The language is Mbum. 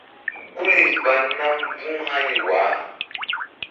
Guri ɓa nam mbu̧h hani wah.